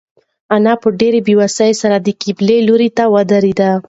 انا په ډېرې بېوسۍ سره د قبلې لوري ته ودرېده.